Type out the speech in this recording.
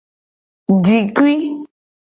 Jikui.